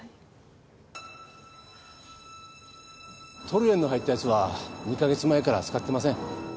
トルエンの入ったやつは２カ月前から使ってません。